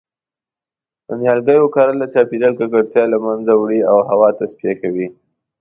د نیالګیو کرل د چاپیریال ککړتیا له منځه وړی او هوا تصفیه کوی